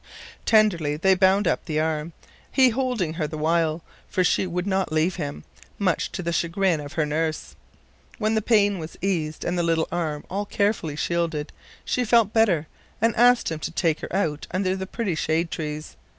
Tenderly they bound up the arm, he holding her the while, for she would not leave him, much to the chagrin of her nurse. When the pain was eased and the little arm all carefully shielded, she felt better and asked him to take her out under the pretty shady trees.